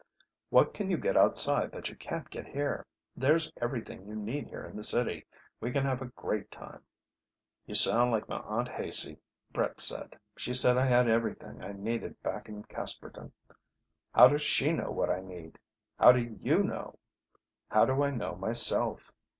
"What can you get outside that you can't get here? There's everything you need here in the city. We can have a great time." "You sound like my Aunt Haicey," Brett said. "She said I had everything I needed back in Casperton. How does she know what I need? How do you know? How do I know myself?